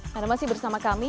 karena masih bersama kami